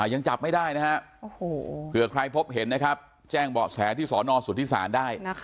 ยังจับไม่ได้นะฮะเผื่อใครพบเห็นนะครับแจ้งเบาะแสที่สอนอสุทธิศาลได้